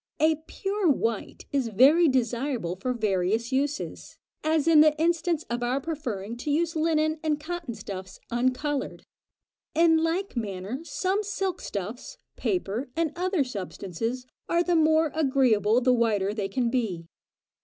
A pure white is very desirable for various uses, as in the instance of our preferring to use linen and cotton stuffs uncoloured. In like manner some silk stuffs, paper, and other substances, are the more agreeable the whiter they can be.